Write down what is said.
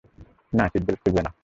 না, seat belt খুলবে না।